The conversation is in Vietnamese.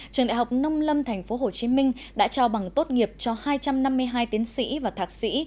trường đại học nông lâm tp hcm đã trao bằng tốt nghiệp cho hai trăm năm mươi hai tiến sĩ và thạc sĩ